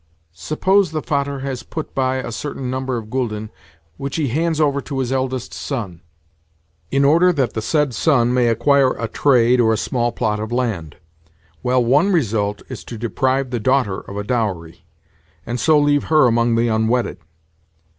Suppose the 'Vater' has put by a certain number of gülden which he hands over to his eldest son, in order that the said son may acquire a trade or a small plot of land. Well, one result is to deprive the daughter of a dowry, and so leave her among the unwedded.